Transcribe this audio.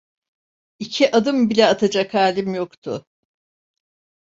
İki adım bile atacak halim yoktu.